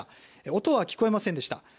音は聞こえませんでした。